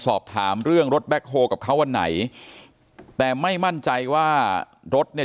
สอบถามเรื่องรถแบ็คโฮลกับเขาวันไหนแต่ไม่มั่นใจว่ารถเนี่ย